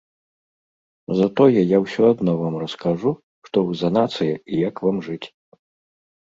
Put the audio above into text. Затое я ўсё адно вам раскажу, што вы за нацыя і як вам жыць.